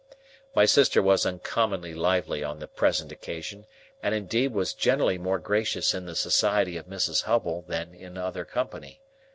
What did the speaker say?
My sister was uncommonly lively on the present occasion, and indeed was generally more gracious in the society of Mrs. Hubble than in other company.